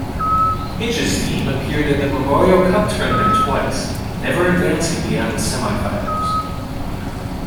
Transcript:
Hitch's team appeared in the Memorial Cup tournament twice, never advancing beyond the semi-finals.